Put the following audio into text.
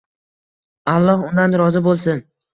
Alloh undan rozi bo'lsin.